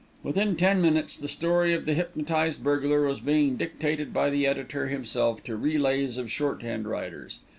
Within ten minutes the story of the hypnotised burglar was being dictated by the editor himself to relays of shorthand writers.